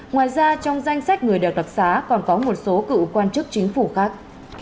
ngoài ra trong danh sách người đèo đặc xá còn có một số cựu quan chức chính phủ khác